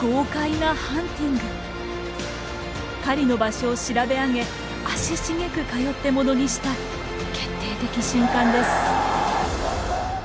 狩りの場所を調べ上げ足しげく通って物にした決定的瞬間です。